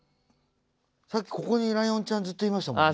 さっきここにライオンちゃんずっといましたもんね。